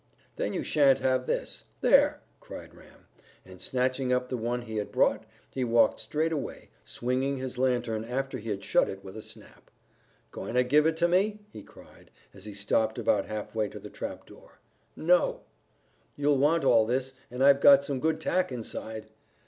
"Then you shan't have this. There!" cried Ram, and snatching up the one he had brought, he walked straight away, swinging his lanthorn after he had shut it with a snap. "Going to give it to me?" he cried, as he stopped about half way to the trap door. "No." "You'll want all this, and I've got some good tack inside."